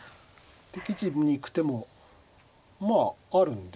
敵陣に行く手もまああるんですよね。